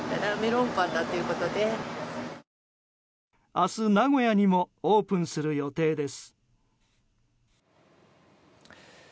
明日、名古屋にもオープンする予定です。